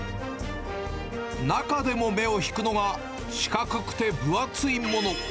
中でも目を引くのが、四角くて分厚いもの。